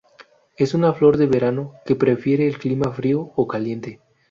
Es una flor de verano, que prefiere el clima frío a caliente.